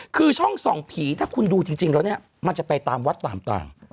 คือช่องส่องผีถ้าคุณดูจริงแล้วเนี่ยมันจะไปตามวัดต่าง